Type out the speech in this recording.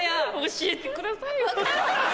教えてくださいよ！